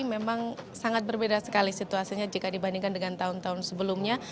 memang sangat berbeda sekali situasinya jika dibandingkan dengan tahun tahun sebelumnya